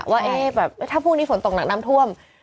ว่าเอ๊ะแบบถ้าพวกนี้ฝนตกหลังน้ำท่วม